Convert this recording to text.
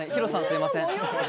すいません。